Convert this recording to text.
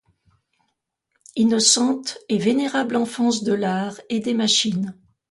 Innocente et vénérable enfance de l'art et des machines!